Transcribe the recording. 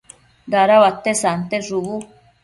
dada uate sante shubu